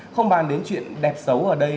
không bàn đến chuyện đẹp xấu ở đây